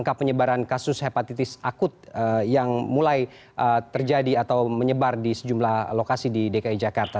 angka penyebaran kasus hepatitis akut yang mulai terjadi atau menyebar di sejumlah lokasi di dki jakarta